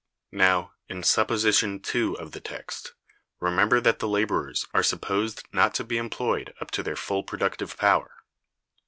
Now, in supposition (2) of the text, remember that the laborers are supposed not to be employed up to their full productive power.